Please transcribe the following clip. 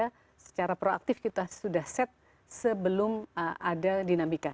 karena kita sudah ada secara proaktif kita sudah set sebelum ada dinamika